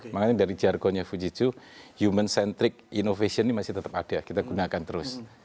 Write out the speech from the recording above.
makanya dari jargonnya fujitsu human centric innovation ini masih tetap ada kita gunakan terus